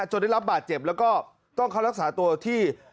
ได้รับบาดเจ็บแล้วก็ต้องเข้ารักษาตัวที่